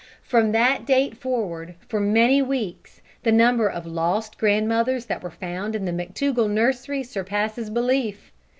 From that date forward, for many weeks, the number of lost grandmothers that were found in the McTougall nursery surpasses belief.